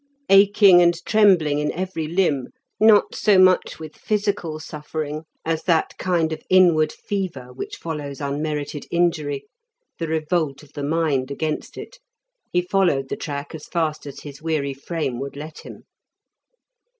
Aching and trembling in every limb, not so much with physical suffering as that kind of inward fever which follows unmerited injury, the revolt of the mind against it, he followed the track as fast as his weary frame would let him.